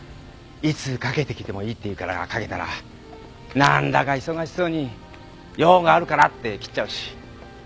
いつかけてきてもいいって言うからかけたら何だか忙しそうに用があるからって切っちゃうし。